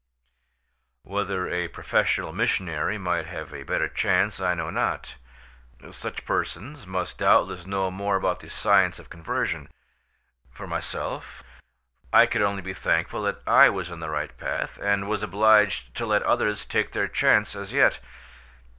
Whether a professional missionary might have a better chance I know not; such persons must doubtless know more about the science of conversion: for myself, I could only be thankful that I was in the right path, and was obliged to let others take their chance as yet.